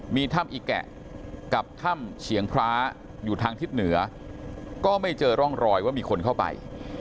มีถ้ำอิแกะกับถ้ำเฉียงพระอยู่ทางทิศเหนือก็ไม่เจอร่องรอยว่ามีคนเข้าไป